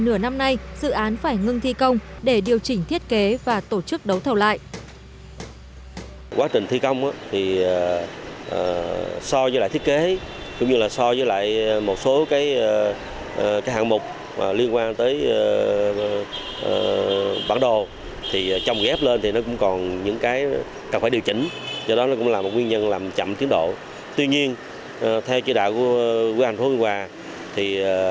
trong khoảng ba mươi khối lượng công trình thì gần nửa năm nay dự án phải ngưng thi công để điều chỉnh thiết kế và tổ chức đấu thầu lại